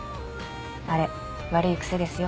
あれ悪い癖ですよ。